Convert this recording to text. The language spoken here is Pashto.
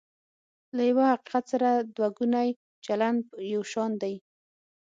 له یوه حقیقت سره دوه ګونی چلند یو شان دی.